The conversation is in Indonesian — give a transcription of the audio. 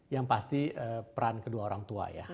yang pasti peran kedua orang tua ya